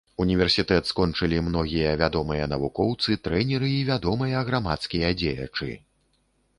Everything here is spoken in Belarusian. Універсітэт скончылі многія вядомыя навукоўцы, трэнеры і вядомыя грамадскія дзеячы.